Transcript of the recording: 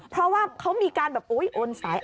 เพราะว่าเขามีการแบบโอ๊ยโอนสาย